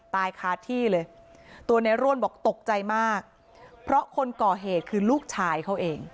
ตายคาที่เลยตัวในร่วนบอกตกใจมากเพราะคนก่อเหตุคือลูกชายเขาเอง